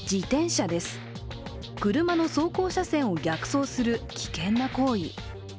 車の走行車線を逆走する危険な行為。